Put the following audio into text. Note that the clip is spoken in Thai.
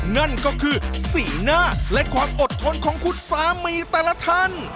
นั่นก็คือสีหน้าและความอดทนของคุณสามีแต่ละท่าน